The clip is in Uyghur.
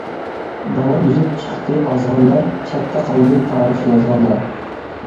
داۋام ئۈزۈپ چىقتى ئازغانلار، چەتتە قالدى تارىخ يازغانلار.